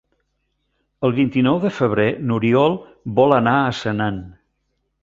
El vint-i-nou de febrer n'Oriol vol anar a Senan.